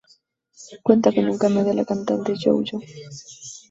Cuenta con un cameo de la cantante JoJo.